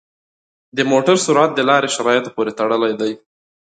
د موټر سرعت د لارې شرایطو پورې تړلی دی.